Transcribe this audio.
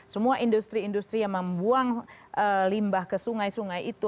semua industri industri yang membuang limbah ke sungai sungai itu